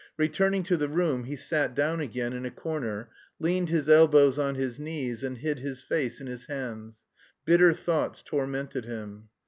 Returning to the room he sat down again in a corner, leaned his elbows on his knees and hid his face in his hands. Bitter thoughts tormented him....